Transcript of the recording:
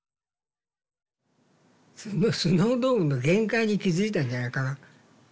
スノードームの限界に気付いたんじゃないかな。